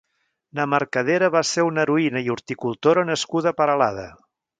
na Mercadera va ser una heroïna i horticultora nascuda a Peralada.